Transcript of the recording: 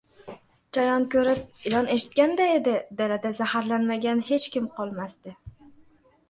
• Chayon ko‘rib, ilon eshitganida edi, dalada zaharlanmagan hech kim qolmasdi.